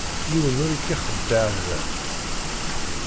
Yiwen ur k-ixeddeɛ da.